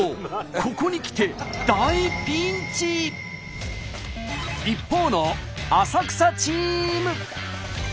ここにきて一方の浅草チーム。